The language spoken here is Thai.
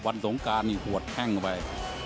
วันสูงกลางหัวแห้งไป